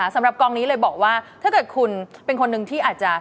สำหรับกองนี้เลยบอกว่าถ้าเกิดคุณเป็นคนหนึ่งที่อาจจะ